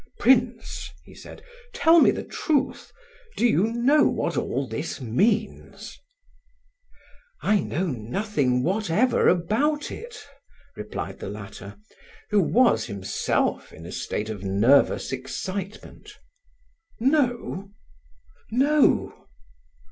"Prince," he said, "tell me the truth; do you know what all this means?" "I know nothing whatever about it!" replied the latter, who was, himself, in a state of nervous excitement. "No?" "No!"